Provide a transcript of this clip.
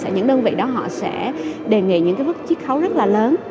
những đơn vị đó họ sẽ đề nghị những mức trí khấu rất là lớn